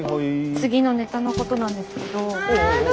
次のネタのことなんですけど。